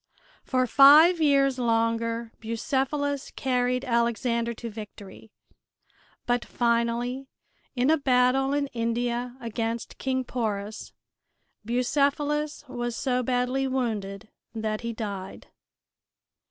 For five years longer Bucephalus carried Alexander to victory, but finally in a battle in India against King Porus Bucephalus was so badly wounded that he died.